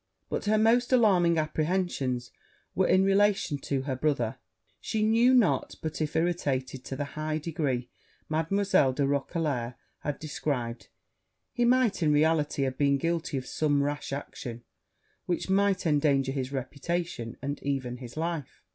But her most alarming apprehensions were in relation to her brother: she knew not but, if irritated to the high degree Mademoiselle de Roquelair had described, he might in reality have been guilty of some rash action, which might endanger his reputation, and even his life.